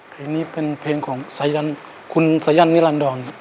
เพลงนี้เป็นเพลงของสายันคุณสายันนิรันดร